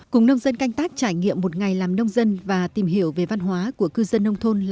cùng nông dân canh tác trải nghiệm một ngày làm nông dân và tìm hiểu về văn hóa của cư dân nông thôn